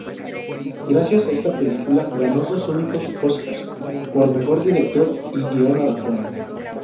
Gracias a esta película, ganó sus únicos Oscars por mejor director y guion adaptado.